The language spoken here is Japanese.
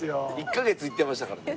１カ月行ってましたからね。